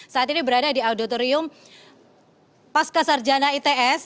saat ini berada di auditorium pasca sarjana its